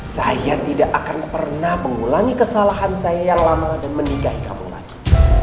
saya tidak akan pernah mengulangi kesalahan saya yang lama dan menikahi kamu lagi